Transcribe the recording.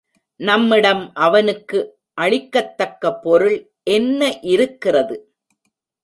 நம்மிடம் அவனுக்கு அளிக்கத் தக்க பொருள் என்ன இருக்கிறது?